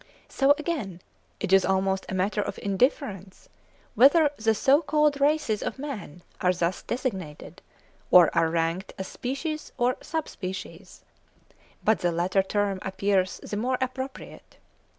So again, it is almost a matter of indifference whether the so called races of man are thus designated, or are ranked as species or sub species; but the latter term appears the more appropriate.